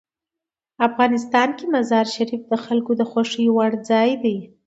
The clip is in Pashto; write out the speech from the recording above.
افغانستان کې مزارشریف د خلکو د خوښې وړ ځای دی.